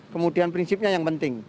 kemudian prinsipnya yang penting